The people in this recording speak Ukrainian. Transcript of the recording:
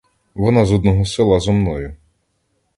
Вона з одного села зо мною.